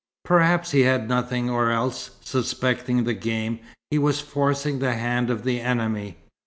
Perhaps he had nothing or else, suspecting the game, he was forcing the hand of the enemy.